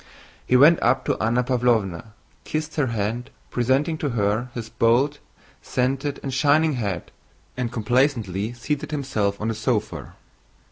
He went up to Anna Pávlovna, kissed her hand, presenting to her his bald, scented, and shining head, and complacently seated himself on the sofa.